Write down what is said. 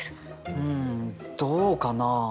うんどうかなあ？